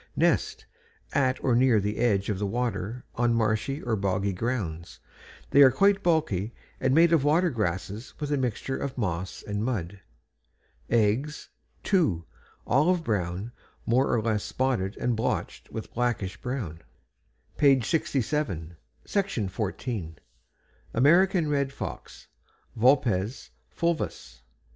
NEST At or near the edge of the water on marshy or boggy grounds; they are quite bulky and made of water grasses with a mixture of moss and mud. EGGS Two, olive brown, more or less spotted and blotched with blackish brown. Page 67. =AMERICAN RED FOX.= _Vulpes fulvus.